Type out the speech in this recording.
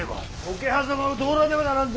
桶狭間を通らねばならんぞ。